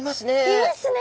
いますね！